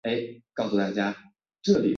位于横滨市最南端。